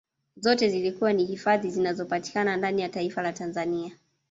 Zote zikiwa ni hifadhi zinazopatikana ndani ya taifa la Tanzania